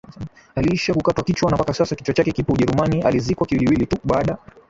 aliishia kukatwa kichwa na mpaka sasa kichwa chake kipo ujerumani alizikwa kiwiliwili tuu baada